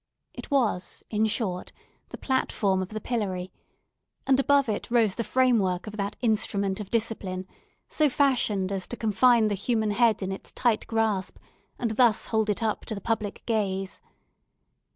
It was, in short, the platform of the pillory; and above it rose the framework of that instrument of discipline, so fashioned as to confine the human head in its tight grasp, and thus hold it up to the public gaze.